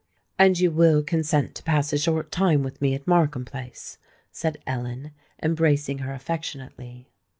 "And you will consent to pass a short time with me at Markham Place?" said Ellen, embracing her affectionately.